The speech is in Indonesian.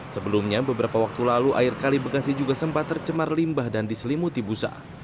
sebelumnya beberapa waktu lalu air kali bekasi juga sempat tercemar limbah dan diselimuti busa